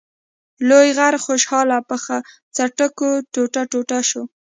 لوی غر خوشحال په څټکو ټوټه ټوټه شو.